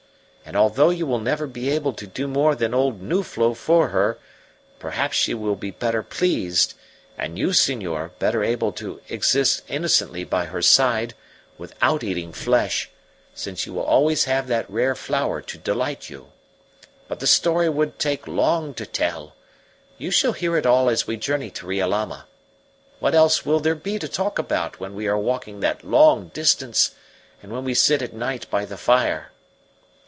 And although you will never be able to do more than old Nuflo for her, perhaps she will be better pleased; and you, senor, better able to exist innocently by her side, without eating flesh, since you will always have that rare flower to delight you. But the story would take long to tell. You shall hear it all as we journey to Riolama. What else will there be to talk about when we are walking that long distance, and when we sit at night by the fire?"